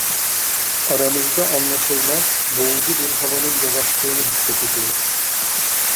Aramızda anlaşılmaz, boğucu bir havanın dolaştığını hissedeceğiz.